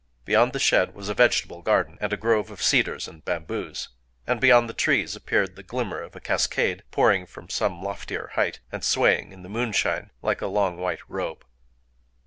Beyond the shed was a vegetable garden, and a grove of cedars and bamboos; and beyond the trees appeared the glimmer of a cascade, pouring from some loftier height, and swaying in the moonshine like a long white robe.